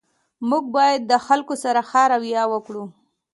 موږ باید د خلګو سره ښه رویه وکړو